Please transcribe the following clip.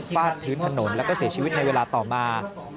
ฟาดพื้นถนนแล้วก็เสียชีวิตในเวลาต่อมา